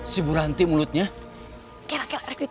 si buranti mulutnya